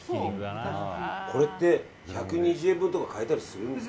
これって１２０円分とか買えたりしますか。